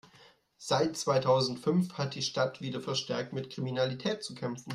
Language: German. Seit zweitausendfünf hat die Stadt wieder verstärkt mit Kriminalität zu kämpfen.